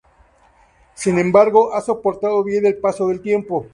Sin embargo, ha soportado bien el paso del tiempo.